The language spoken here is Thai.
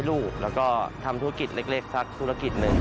ลูกแล้วก็ทำธุรกิจเล็กสักธุรกิจหนึ่ง